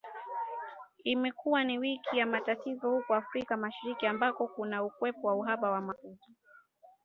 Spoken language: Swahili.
Imekuwa ni wiki ya matatizo huko Afrika Mashariki, ambako kumekuwepo na uhaba wa mafuta